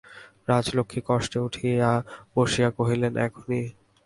রাজলক্ষ্মী কষ্টে উঠিয়া বসিয়া কহিলেন, এখনই?